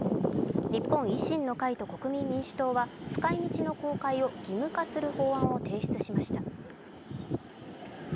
日本維新の会と国民民主党は使いみちの公開を義務化する法案を提出しました。